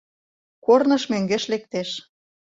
— Корныш мӧҥгеш лектеш.